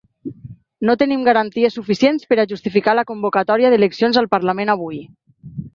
No tenim garanties suficients per a justificar la convocatòria d’eleccions al parlament avui.